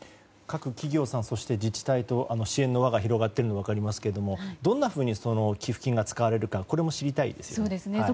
各企業さん、自治体と支援の輪が広がっているのは分かりますけどどんなふうに寄付金が使われるかこれも知りたいですね。